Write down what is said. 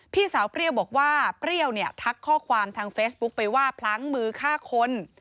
พี่สาวเปรี้ยวบอกว่าเปรี้ยวเนี่ยทักข้อความทางเฟซบุ๊คไปว่าพลั้งมือฆ่าคน